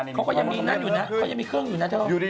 เขาก็ยังมีเครื่องอยู่นะ